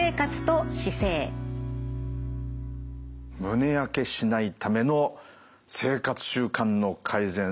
胸やけしないための生活習慣の改善。